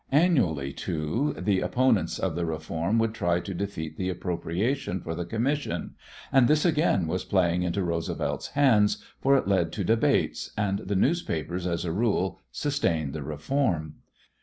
Annually, too, the opponents of the reform would try to defeat the appropriation for the commission, and this again was playing into Roosevelt's hands, for it led to debates, and the newspapers as a rule sustained the reform.